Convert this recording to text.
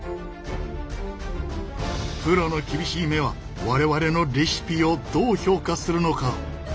プロの厳しい目は我々のレシピをどう評価するのか？